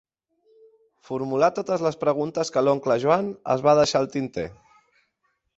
Formular totes les preguntes que l'oncle Joan es va deixar al tinter.